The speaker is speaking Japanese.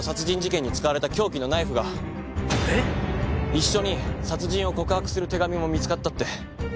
一緒に殺人を告白する手紙も見つかったって。